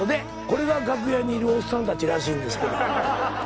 これが楽屋にいるおっさんたちらしいんですけど。